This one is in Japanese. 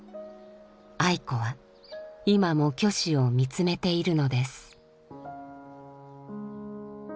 愛子は今も虚子を見つめているのです。